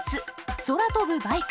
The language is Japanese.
空飛ぶバイク。